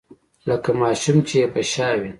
لکه ماشوم چې يې په شا وي.